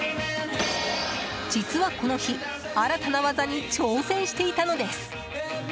実はこの日新たな技に挑戦していたのです。